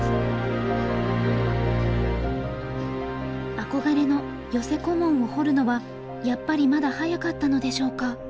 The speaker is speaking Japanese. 憧れの寄せ小紋を彫るのはやっぱりまだ早かったのでしょうか。